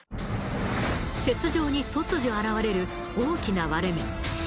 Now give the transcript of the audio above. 雪上に突如現れる大きな割れ目。